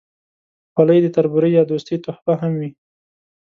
خولۍ د تربورۍ یا دوستۍ تحفه هم وي.